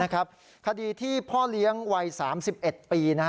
คดีที่พ่อเลี้ยงวัย๓๑ปี